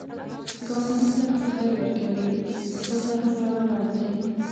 ګاونډي ته که خیر ورکوې، تا ته هم راروان دی